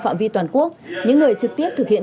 phạm vi toàn quốc những người trực tiếp thực hiện